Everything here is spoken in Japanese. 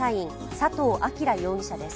佐藤聡容疑者です。